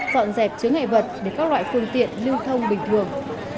dọn dẹp chứa ngại vật để các loại phương tiện lưu thông bình thường